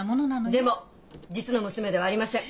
でも実の娘ではありません！